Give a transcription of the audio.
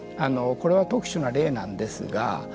これは特殊な例なんですが。